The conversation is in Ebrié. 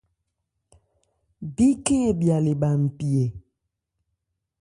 Bíkhɛ́n hɛ bhya le bha npi ɛ.